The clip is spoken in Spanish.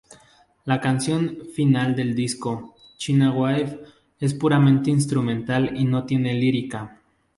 La canción final del disco, "China Wife", es puramente instrumental y no tiene lírica.